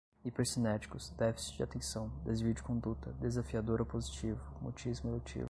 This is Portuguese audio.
hipercinéticos, déficit de atenção, desvio de conduta, desafiador opositivo, mutismo eletivo